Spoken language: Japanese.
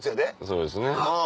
そうですね。